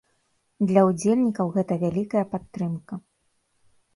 Для ўдзельнікаў гэта вялікая падтрымка.